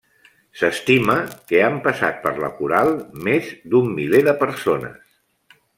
S'estima que han passat per la coral més d'un miler de persones.